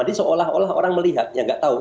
jadi seolah olah orang melihat ya nggak tahu